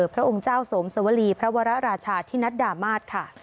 พระองค์เจ้าสมสวรีพระวรราชาธินัดดามาศค่ะ